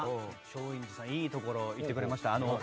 松陰寺さん、いいところを聞いてくれました。